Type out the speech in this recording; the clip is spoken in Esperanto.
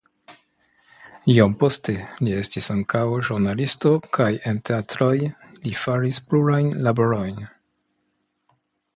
Iom poste li estis ankaŭ ĵurnalisto kaj en teatroj li faris plurajn laborojn.